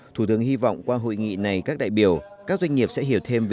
thủ tướng hy vọng qua hội nghị này các đại biểu các doanh nghiệp sẽ hiểu thêm